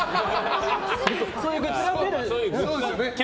そういうグッズが。